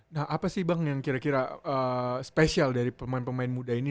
nah apa sih bang yang kira kira spesial dari pemain pemain muda ini